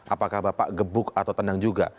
apakah bapak gebuk atau tenang juga